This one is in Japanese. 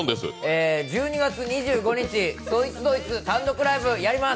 １２月２５日、そいつどいつ単独ライブやります。